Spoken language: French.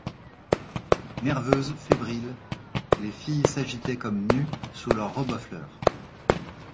Nerveuses, fébriles, les filles s'agitaient comme nues sous leurs robes à fleurs.